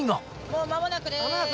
もう間もなくです。